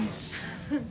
フフ。